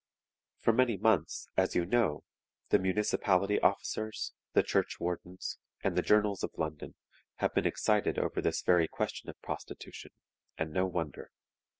"For many months, as you know, the municipality officers, the church wardens, and the journals of London have been excited over this very question of prostitution; and no wonder.